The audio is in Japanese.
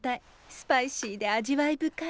スパイシーで味わい深い。